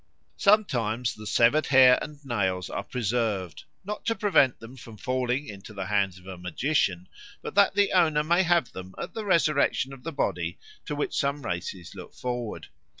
Sometimes the severed hair and nails are preserved, not to prevent them from falling into the hands of a magician, but that the owner may have them at the resurrection of the body, to which some races look forward.